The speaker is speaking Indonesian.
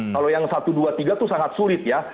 kalau yang satu dua tiga itu sangat sulit ya